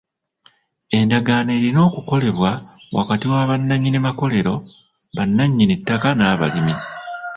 Endagaano erina okukolebwa wakati wa bannannyini makolero, bannanyinittaka n'abalimi.